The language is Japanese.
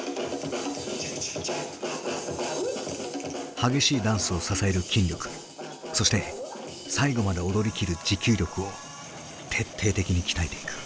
激しいダンスを支える筋力そして最後まで踊りきる持久力を徹底的に鍛えていく。